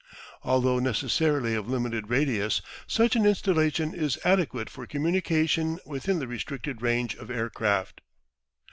Although necessarily of limited radius, such an installation is adequate for communication within the restricted range of air craft.